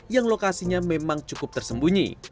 yang lokasinya memang cukup tersembunyi